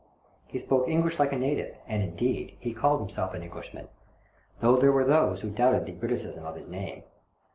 He spoke English like a native, and, indeed, he called himself an English man, though there were those who doubted the Briticism of his name.